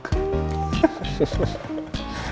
di rumah huh